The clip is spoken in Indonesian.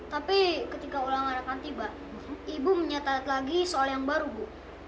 tapi ketika ulangan akan tiba ibu menyatakan lagi soal yang baru bu